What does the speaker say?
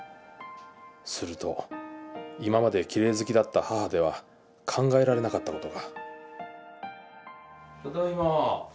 すると今まできれい好きだった母では考えられなかった事がただいま。